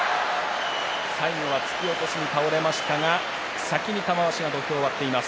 最後は突き落としで倒れましたが先に玉鷲が土俵を割っています。